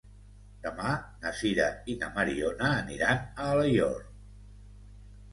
Demà na Sira i na Mariona aniran a Alaior.